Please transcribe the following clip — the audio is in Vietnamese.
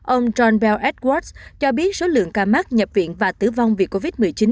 ông john bell adgwass cho biết số lượng ca mắc nhập viện và tử vong vì covid một mươi chín